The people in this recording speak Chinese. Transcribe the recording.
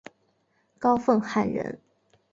高凤翰人。